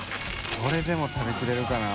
これでも食べきれるかな？